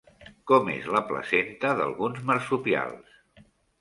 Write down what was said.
Com és la placenta d'alguns marsupials?